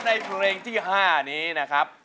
ในเพลงที่๕นี้นะครับ